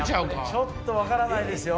ちょっと分からないですよ。